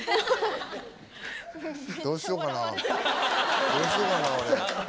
どうしようかなどうしようかな俺。